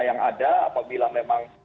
yang ada apabila memang